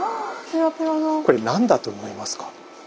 これ何だと思いますか？